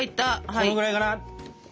このぐらいかな。